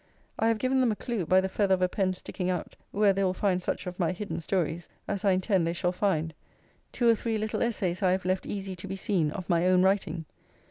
I have given them a clue, by the feather of a pen sticking out, where they will find such of my hidden stories, as I intend they shall find. Two or three little essays I have left easy to be seen, of my own writing.